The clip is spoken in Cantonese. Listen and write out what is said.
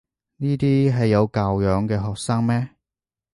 呢啲係有教養嘅學生咩？